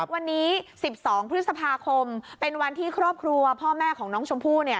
วันนี้๑๒พฤษภาคมเป็นวันที่ครอบครัวพ่อแม่ของน้องชมพู่